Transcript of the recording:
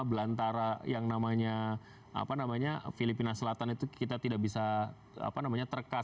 belantara yang namanya filipina selatan itu kita tidak bisa terkas